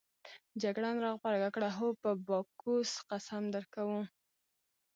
جګړن راغبرګه کړه: هو په باکوس قسم درکوو.